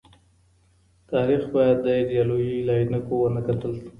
تاريخ بايد د ايډيالوژۍ له عينکو ونه کتل سي.